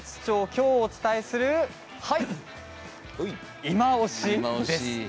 きょうお伝えするいまオシです。